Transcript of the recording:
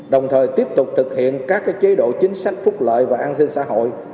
đồng thời tiếp tục thực hiện các chế độ chính sách phúc lợi và an sinh xã hội